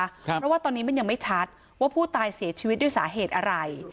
เพราะว่าตอนนี้มันยังไม่ชัดว่าผู้ตายเสียชีวิตด้วยสาเหตุอะไร